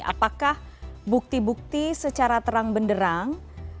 apakah bukti bukti secara terang benderang